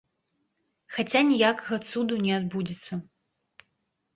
Хаця ніякага цуду не адбудзецца.